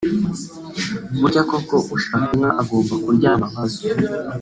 burya koko ushaka inka agomba kuryama nka zo